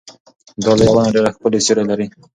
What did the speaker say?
دا لویه ونه ډېر ښکلی سیوری لري.